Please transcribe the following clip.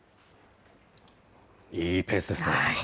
いいペースですね。